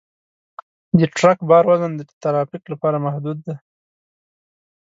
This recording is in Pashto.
د ټرک بار وزن د ترافیک لپاره محدود دی.